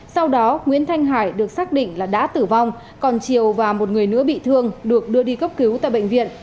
sau đó nguyễn thanh hải được xác định là đã tử vong còn triều và một người nữa bị thương được đưa đi cấp cứu tại bệnh viện